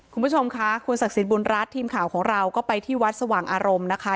คุณผู้ชมค่ะคุณศักดิ์สิทธิบุญรัฐทีมข่าวของเราก็ไปที่วัดสว่างอารมณ์นะคะ